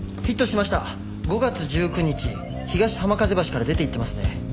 ５月１９日に東浜風橋から出ていってますね。